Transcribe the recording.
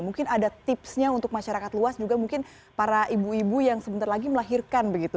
mungkin ada tipsnya untuk masyarakat luas juga mungkin para ibu ibu yang sebentar lagi melahirkan begitu